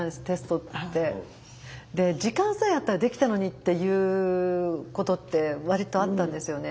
時間さえあったらできたのにっていうことって割とあったんですよね